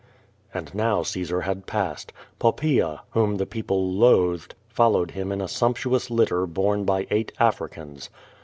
And now Caesar had |>assed. Poppaea, whom the people loathed, followed him in a sumptuous litter borne by eight Africans.